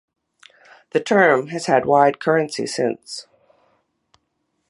The term has had wide currency since.